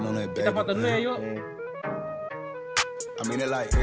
maaf ya jadi telat tuh